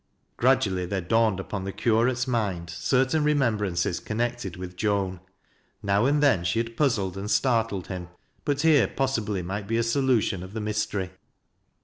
Gradually there dawned upon the curate's mind certain remembrances connected with J&an. Now and then she had puzzled and startled him, but here, possibly, might be a solution of the mystery.